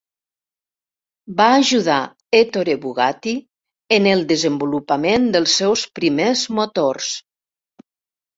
Va ajudar Ettore Bugatti en el desenvolupament dels seus primers motors.